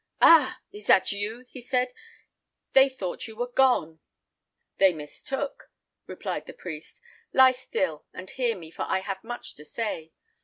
"Ah! is that you!" he said. "They thought you were gone." "They mistook," replied the priest. "Lie still, and hear me, for I have much to say.